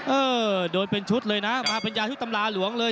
เออโดนเป็นชุดเลยนะมาเป็นยาชุดตำราหลวงเลย